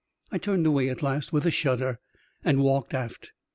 I turned away at last, with a shudder, and walked aft.